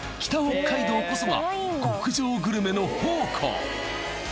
北海道こそが極上グルメの宝庫